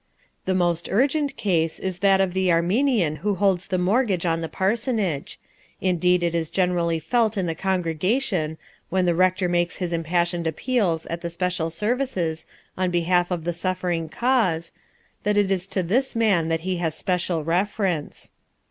The most urgent case is that of the Armenian who holds the mortgage on the parsonage; indeed it is generally felt in the congregation, when the rector makes his impassioned appeals at the special services on behalf of the suffering cause, that it is to this man that he has special reference.